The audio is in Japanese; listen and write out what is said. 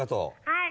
☎はい。